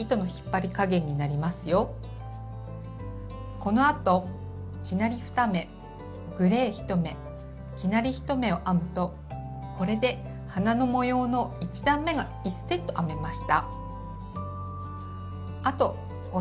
このあと生成り２目グレー１目生成り１目を編むとこれで花の模様の１段めが１セット編めました。